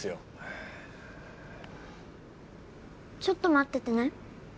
ちょっと待っててね。